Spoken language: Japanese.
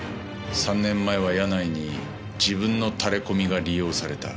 ３年前は柳井に自分のタレコミが利用された。